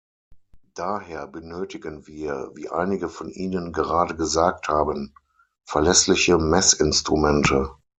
Daher benötigen wir, wie einige von Ihnen gerade gesagt haben, verlässliche Messinstrumente.